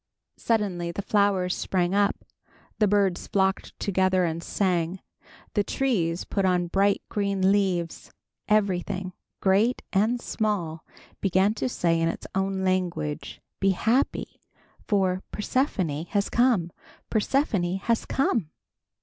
Suddenly the flowers sprang up; the birds flocked together and sang; the trees put on bright green leaves. Everything, great and small, began to say in his own language, "Be happy for Persephone has come! Persephone has come!"